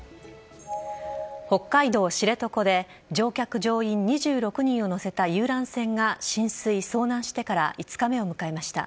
北海道・知床で乗客乗員２６人を乗せた遊覧船が浸水・遭難してから５日目を迎えました。